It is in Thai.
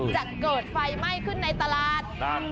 จะเกิดไฟไหม้ขึ้นในตลาด